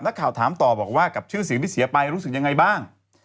นักข่าวถามต่อบอกว่ากับชื่อเสียงที่เสียไปรู้สึกยังไงบ้าง